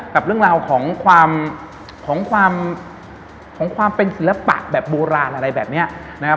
กับเรื่องราวของความของความเป็นศิลปะแบบโบราณอะไรแบบนี้นะครับ